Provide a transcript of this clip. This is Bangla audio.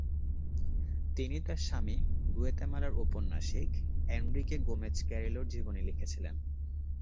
তিনি তার স্বামী, গুয়াতেমালার ঔপন্যাসিক, এনরিকে গোমেজ ক্যারিলোর জীবনী লিখেছিলেন।